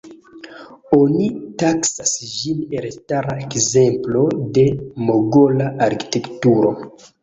Oni taksas ĝin elstara ekzemplo de Mogola arkitekturo.